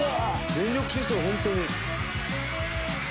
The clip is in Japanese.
全力疾走だホントに」